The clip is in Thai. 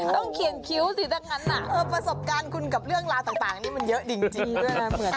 ต้องเขียนคิ้วสิดังนั้นน่ะเออประสบการณ์คุณกับเรื่องราวต่างนี่มันเยอะดิงจริง